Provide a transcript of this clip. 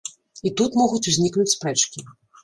І тут могуць узнікнуць спрэчкі.